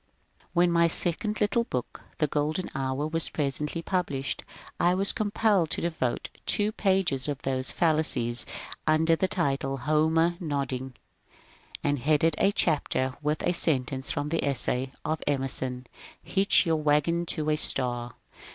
When my second little book, " The Golden Hour," was presently published I was compelled to devote two pages to those fallacies (under the title ^^ Homer Nodding "), and headed a chapter with a sentence from the essay of Emerson, *^ Hitch your wagon to a star